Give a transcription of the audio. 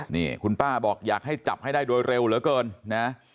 นี่คุณป้าบอกอยากให้จับให้ได้โดยเร็วเหลือเกินนะ